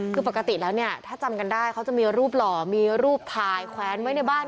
คือปกติแล้วเนี่ยถ้าจำกันได้เขาจะมีรูปหล่อมีรูปถ่ายแขวนไว้ในบ้าน